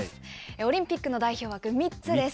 オリンピックの代表枠３つです。